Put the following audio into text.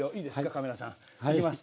カメラさん。いきます。